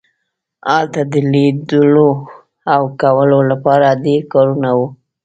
هلته د لیدلو او کولو لپاره ډیر کارونه وو